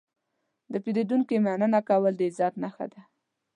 د پیرودونکي مننه کول د عزت نښه ده.